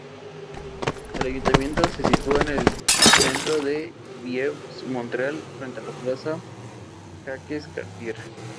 El ayuntamiento se sitúa en el centro del Vieux-Montreal, frente a la Plaza Jacques-Cartier.